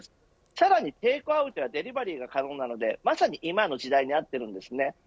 さらにテイクアウトやデリバリーが可能なので、まさに今の時代に合っています。